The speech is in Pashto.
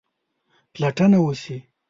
پلټنه وسي.